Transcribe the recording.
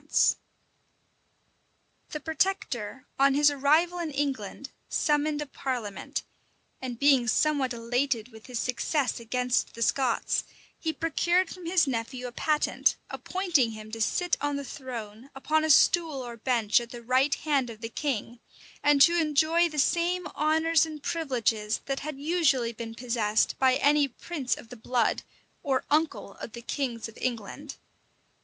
* Holingshed, p. 992. The protector, on his arrival in England, summoned a parliament: and being somewhat elated with his success against the Scots, he procured from his nephew a patent, appointing him to sit on the throne, upon a stool or bench at the right hand of the king, and to enjoy the same honors and privileges that had usually been possessed by any prince of the blood, or uncle of the kings of England.